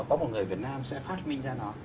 có một người việt nam sẽ phát minh ra nó